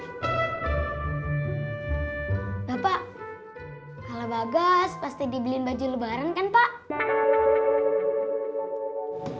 bapak kalau bagus pasti dibeliin baju lebaran kan pak